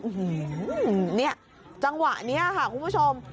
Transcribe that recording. อื้อหือนี่จังหวะนี้ค่ะคุณผู้ชม